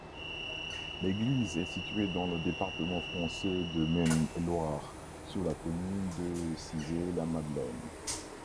L'église est située dans le département français de Maine-et-Loire, sur la commune de Cizay-la-Madeleine.